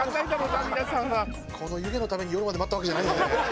この湯気のために夜まで待ったわけじゃないよね？